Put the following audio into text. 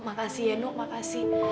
makasih ya nuk makasih